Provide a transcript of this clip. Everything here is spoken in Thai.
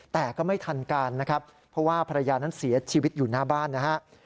แต่ก็ไม่ทันการนะครับเพราะว่าภรรยานั้นเสียชีวิตอยู่หน้าบ้านนะฮะ